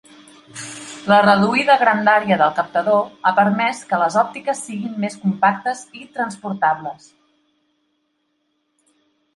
La reduïda grandària del captador ha permès que les òptiques siguin més compactes i transportables.